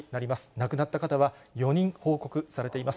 亡くなった方は４人報告されています。